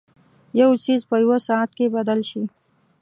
یو څیز په یوه ساعت کې بدل شي.